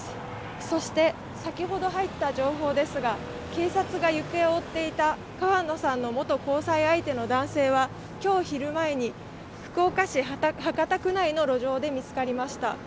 そして、先ほど入った情報ですが、警察が行方を追っていた川野さんの元交際相手の男性は今日昼前に福岡市博多区内の路上で見つかりました。